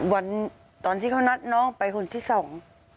วันที่เขานัดน้องไปคนที่สอง